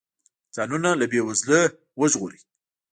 ځانونه له بې وزلۍ وژغوري.